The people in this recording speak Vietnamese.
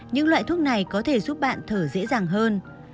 những loại thuốc này có thể giúp bạn thở dễ dàng hơn